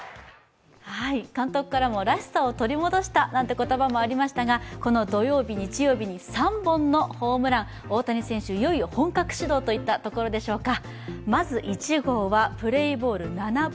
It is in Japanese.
監督からもらしさを取り戻したという言葉もありましたがこの土曜日、日曜日に３本のホームラン、大谷選手、いよいよ本格始動といったところでしょうか。